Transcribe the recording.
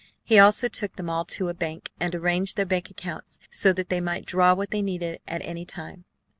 He also took them all to a bank, and arranged their bank accounts so that they might draw what they needed at any time.